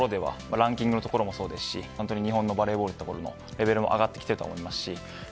ランキングのところもそうですし日本のバレーボールのレベルは上がってきていると思います。